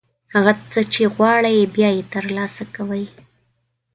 هغه څه چې غواړئ، بیا یې ترلاسه کوئ.